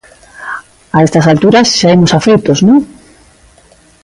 A estas alturas xa imos afeitos, non?